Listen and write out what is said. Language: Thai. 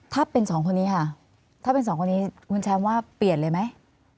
ถ้าเป็นสองคนนี้ค่ะถ้าเป็นสองคนนี้คุณแชมป์ว่าเปลี่ยนเลยไหม